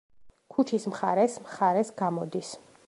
ქუჩის მხარეს მხარეს გამოდის.